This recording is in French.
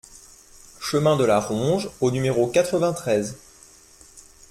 Chemin de la Ronge au numéro quatre-vingt-treize